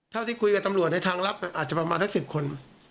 เท่าที่คุยกับตำรวจในทางลับอาจจะประมาณสัก๑๐คน